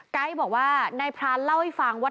ไก๊บอกว่านายพรานเล่าให้ฟังว่า